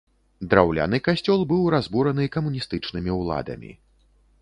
Драўляны касцёл быў разбураны камуністычнымі ўладамі.